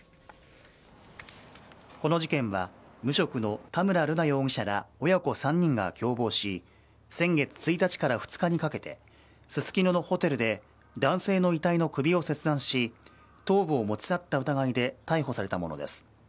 この事件は無職の田村瑠奈容疑者ら親子３人が共謀し先月１日から２日にかけてススキノのホテルで男性の遺体の首を切断し頭部を持ち去った疑いで逮捕されたものです。